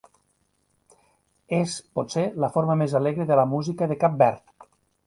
És, potser, la forma més alegre de la música de Cap Verd.